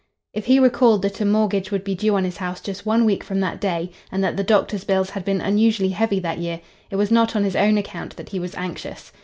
If he recalled that a mortgage would be due on his house just one week from that day, and that the doctors' bills had been unusually heavy that year, it was not on his own account that he was anxious.